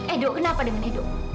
edo kenapa dengan edo